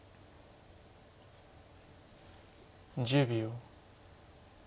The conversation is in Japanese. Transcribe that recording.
１０秒。